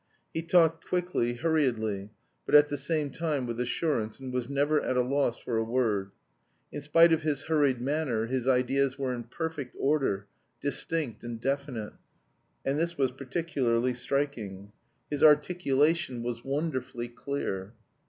He talked quickly, hurriedly, but at the same time with assurance, and was never at a loss for a word. In spite of his hurried manner his ideas were in perfect order, distinct and definite and this was particularly striking. His articulation was wonderfully clear.